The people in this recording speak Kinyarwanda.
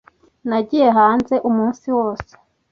Nagiye hanze umunsi wose.